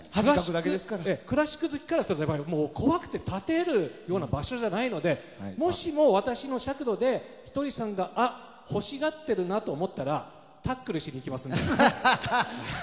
クラシック好きからすると怖くて立てるような場所じゃないのでもしも私の尺度で、ひとりさんが欲しがってるなと思ったらタックルしにいきますので。